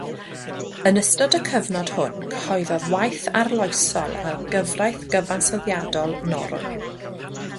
Yn ystod y cyfnod hwn, cyhoeddodd waith arloesol ar gyfraith gyfansoddiadol Norwy.